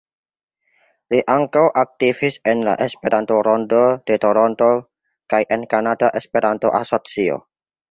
Li ankaŭ aktivis en la Esperanto-Rondo de Toronto kaj en Kanada Esperanto-Asocio.